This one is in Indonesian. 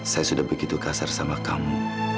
saya sudah begitu kasar sama kamu